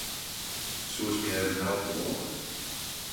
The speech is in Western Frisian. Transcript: Soest my even helpe wolle?